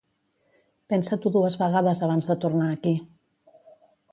Pensa-t'ho dues vegades abans de tornar aquí.